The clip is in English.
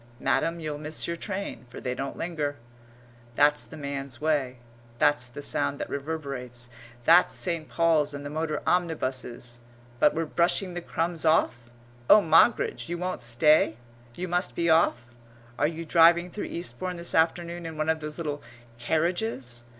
"Madam, you'll miss your train," for they don't linger. That's the man's way; that's the sound that reverberates; that's St. Paul's and the motor omnibuses. But we're brushing the crumbs off. Oh, Moggridge, you won't stay? You must be off? Are you driving through Eastbourne this afternoon in one of those little carriages?